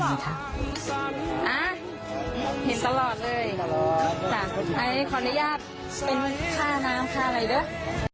อ่าเห็นตลอดเลยขออนุญาตข้าน้ำข้าวไหล่ด้วย